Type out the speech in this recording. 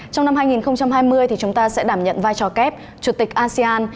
trong năm hai nghìn hai mươi thì chúng ta sẽ đảm nhận vai trò kép chủ tịch asean